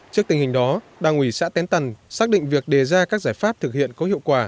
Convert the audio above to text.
trước tình hình đó đảng ủy xã tén tần xác định việc đề ra các giải pháp thực hiện có hiệu quả